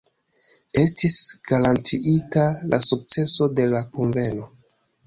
Estis garantiita la sukceso de la Kunveno.